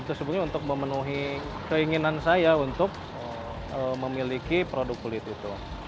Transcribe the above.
itu sebenarnya untuk memenuhi keinginan saya untuk memiliki produk kulit itu